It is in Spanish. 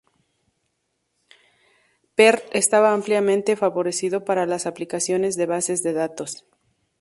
Perl está ampliamente favorecido para las aplicaciones de bases de datos.